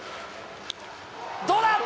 どうだ？